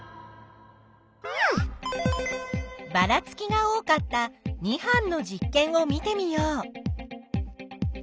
ばらつきが多かった２班の実験を見てみよう。